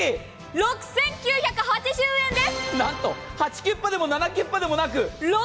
６９８０円です。